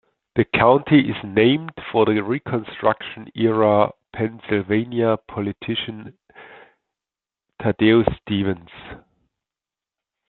The county is named for the Reconstruction era Pennsylvania politician Thaddeus Stevens.